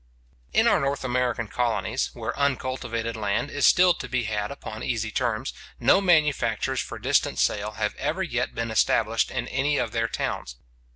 In our North American colonies, where uncultivated land is still to be had upon easy terms, no manufactures for distant sale have ever yet been established in any of their towns.